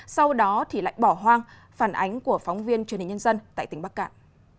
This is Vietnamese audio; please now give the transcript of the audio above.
sau đó thì lại bỏ hoang phản ánh của phóng viên truyền hình nhân dân tại tỉnh bắc cạn